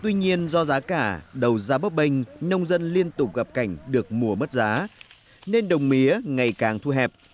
tuy nhiên do giá cả đầu ra bấp bênh nông dân liên tục gặp cảnh được mùa mất giá nên đồng mía ngày càng thu hẹp